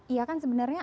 iya kan sebenarnya